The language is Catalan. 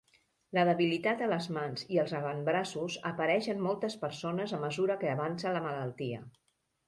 La debilitat a les mans i els avantbraços apareix en moltes persones a mesura que avança la malaltia.